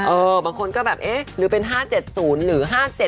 บางคนก็แบบเอ๊ะหรือเป็น๕๗๐หรือ๕๗